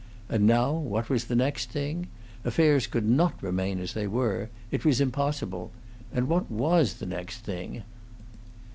And now what was the next thing? Affairs could not remain as they were; it was impossible; and what was the next thing?